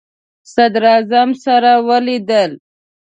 صدراعظم سره ولیدل.